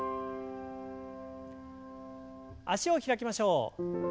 脚を開きましょう。